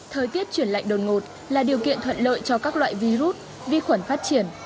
thời tiết chuyển lạnh đột ngột là điều kiện thuận lợi cho các loại virus vi khuẩn phát triển